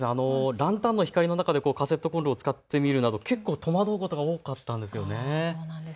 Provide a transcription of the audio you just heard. ランタンの光の中でカセットこんろを使ってみるなど結構、戸惑うことが多かったんです。